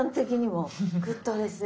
グッドですね。